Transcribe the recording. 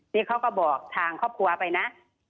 นี่เขาก็บอกทางครอบครัวไปนะ